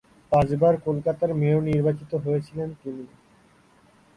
পাঁচবার কলকাতার মেয়র নির্বাচিত হয়েছিলেন তিনি।